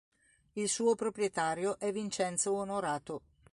Il suo proprietario è Vincenzo Onorato.